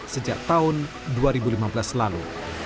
sejak tahun dua ribu lima belas lalu